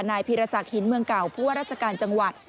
พีรศักดิ์หินเมืองเก่าผู้ว่าราชการจังหวัด